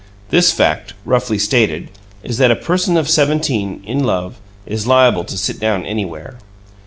This fact, roughly stated, is that a person of seventeen, in love, is liable to sit down anywhere.